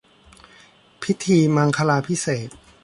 พิธีมังคลาภิเษก